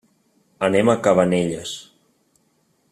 Anem a Cabanelles.